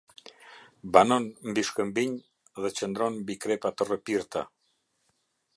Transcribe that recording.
Banon mbi shkëmbinj dhe qëndron mbi krepa të rrëpirta.